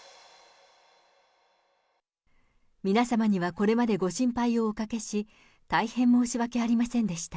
皆様にはこれまでご心配をおかけし、大変申し訳ありませんでした。